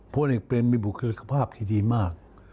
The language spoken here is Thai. พลเอกเบรมมีบุคลิกภาพที่ดีมาก